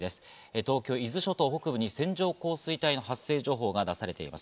東京・伊豆諸島北部に線状降水帯の発生情報が出されています。